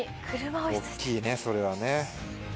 大っきいねそれはね。